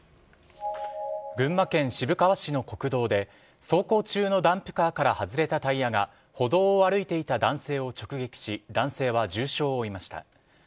群馬県渋川市の国道で走行中のダンプカーから外れたタイヤが歩道を歩いていた男性を直撃し男性は重傷を負いました。